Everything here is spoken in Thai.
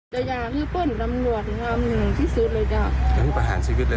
อยากเพื่อนรำรวชกัมหนึ่งที่สุดเลยจ้ะยังไม่ประหารชีวิตเลยน่ะ